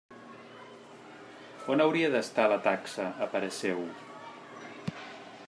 On hauria d'estar la taxa, a parer seu?